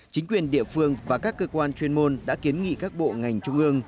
chính quyền địa phương và các cơ quan chuyên môn đã kiến nghị các bộ ngành trung ương